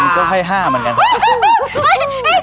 งั้นก็ให้๕มันกันครับ